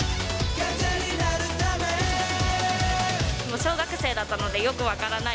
小学生だったのでよく分からない